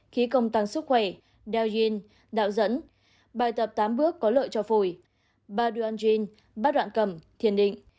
khí công tăng sức khỏe đeo yên đạo dẫn bài tập tám bước có lợi cho phổi ba đoạn yên ba đoạn cầm thiền định